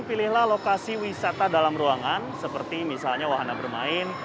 pilihlah lokasi wisata dalam ruangan seperti misalnya wahana bermain